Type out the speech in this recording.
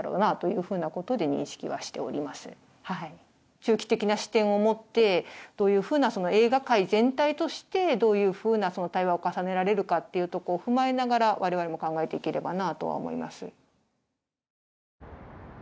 中期的な視点を持ってどういうふうな映画界全体としてどういうふうな対話を重ねられるかっていうところを踏まえながら我々も考えていければなとは思います。